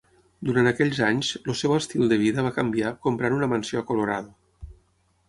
Durant aquells anys, el seu estil de vida va canviar comprant una mansió a Colorado.